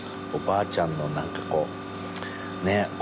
おばあちゃんの何かこうねっ？